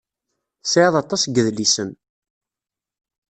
Tesɛiḍ aṭas n yedlisen.